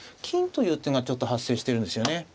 金という手がちょっと発生してるんですよね。